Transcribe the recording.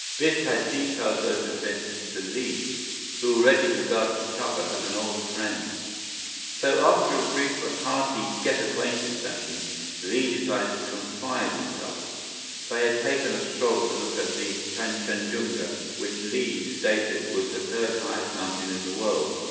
Biff had detailed those adventures to Li, who already regarded Chuba as an old friend. So after a brief but hearty get acquainted session, Li decided to confide in Chuba. They had taken a stroll to look at Kanchenjunga, which Li stated was the third highest mountain in the world.